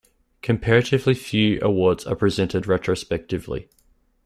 Comparatively few awards are presented retrospectively.